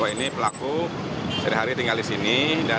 ini pelaku sehari hari tinggal di sini